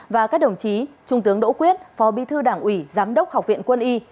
và các đồng chí trung tướng đỗ quyết phó bí thư đảng ủy giám đốc học viện quân y